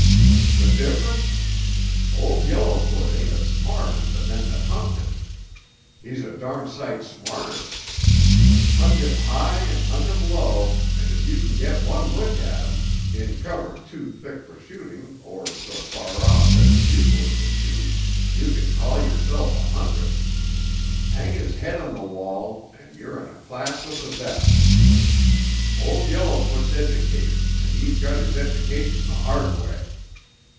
"The difference? Old Yellowfoot ain't as smart as the men that hunt him. He's a darn' sight smarter. Hunt him high and hunt him low, and if you get one look at him, in cover too thick for shooting or so far off that it's useless to shoot, you can call yourself a hunter. Hang his head on the wall and you're in a class with the best. Old Yellowfoot's educated and he got his education the hard way.